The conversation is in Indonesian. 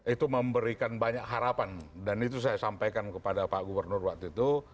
itu memberikan banyak harapan dan itu saya sampaikan kepada pak gubernur waktu itu